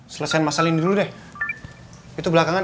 selesain masalah ini dulu deh itu belakangan